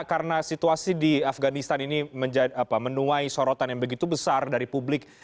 karena situasi di afganistan ini menuai sorotan yang begitu besar dari publik